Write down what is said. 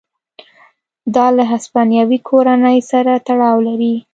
دا له هسپانوي کورنۍ سره تړاو لري.